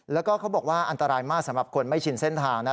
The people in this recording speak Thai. แล้วก็เขาบอกว่าอันตรายมากสำหรับคนไม่ชินเส้นทางนะ